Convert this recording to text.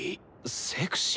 セクシー？